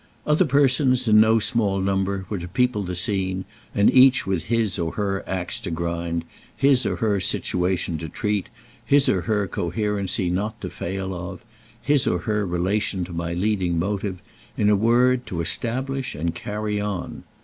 Other persons in no small number were to people the scene, and each with his or her axe to grind, his or her situation to treat, his or her coherency not to fail of, his or her relation to my leading motive, in a word, to establish and carry on.